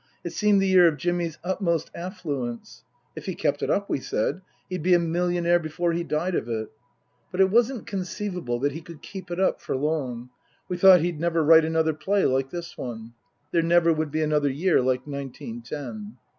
It seemed the year of Jimmy's utmost affluence. If he kept it up, we said, he'd be a millionaire before he died of it. But it wasn't conceivable that he could keep it up for long. We thought he'd never write another play like this one. There never would be another year like nineteen ten.